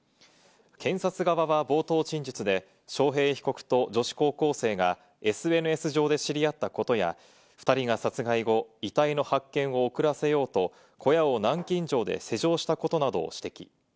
検察側は冒頭陳述で、章平被告と女子高校生がＳＮＳ上で知り合ったことや、２人が殺害後、遺体の発見を遅らせようと小屋を南京錠で施錠したことなどを指摘。